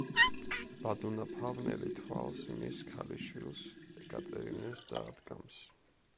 ბადუნა ფავნელი თვალს მის ქალიშვილს ეკატერინეს დაადგამს.